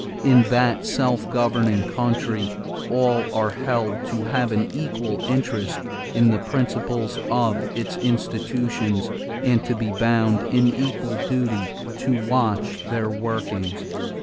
In that self governing country all are held to have an equal interest in the principles of its institutions and to be bound in equal duty to watch their workings."